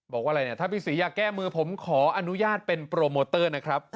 บอกว่าอะไรเนี่ยถ้าพี่ศรีอยากแก้มือผมขออนุญาตเป็นโปรโมเตอร์นะครับ